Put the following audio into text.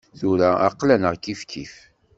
Tura aql-aneɣ kifkif.